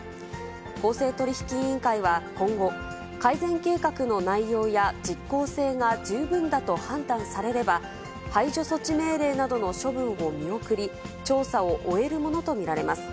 公正取引委員会は、今後、改善計画の内容や実行性が十分だと判断されれば、排除措置命令などの処分を見送り、調査を終えるものと見られます。